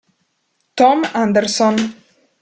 Tom Anderson